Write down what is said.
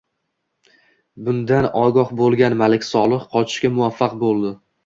Bundan ogoh bo‘lgan Malik Solih qochishga muvaffaq bo‘ldi